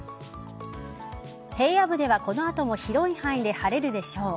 平野部ではこの後も広い範囲で晴れるでしょう。